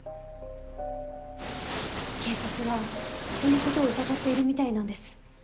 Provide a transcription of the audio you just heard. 警察はそのことを疑っているみたいなんです。